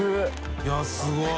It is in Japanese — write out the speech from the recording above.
いすごい！